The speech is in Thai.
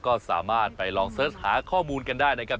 ก็สามารถไปลองเสิร์ชหาข้อมูลกันได้นะครับ